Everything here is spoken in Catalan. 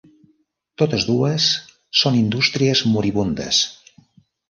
Totes dues són indústries moribundes.